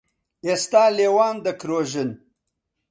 ئێستا لێوان دەکرۆژن